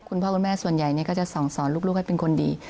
คุณพ่อคุณแม่ส่วนใหญ่ก็จะส่องสอนลูกให้เป็นคนดี